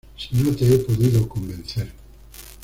si no te he podido convencer